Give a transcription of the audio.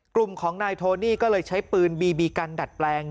กลุ่มของนายโทนี่ก็เลยใช้ปืนบีบีกันดัดแปลง